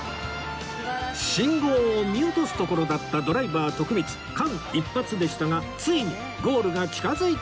信号を見落とすところだったドライバー徳光間一髪でしたがついにゴールが近づいてきました！